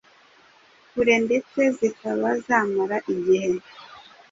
kure ndetse zikaba zamara igihe.